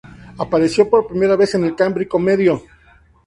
Apareció por primera vez en el Cámbrico Medio.